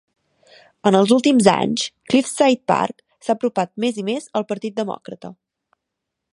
En els últims anys, Cliffside Park s'ha apropat més i més al Partit Demòcrata.